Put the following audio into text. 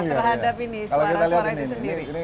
terhadap ini suara suara itu sendiri